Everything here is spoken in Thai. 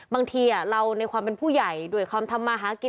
บางทีเราในความเป็นผู้ใหญ่ด้วยความทำมาหากิน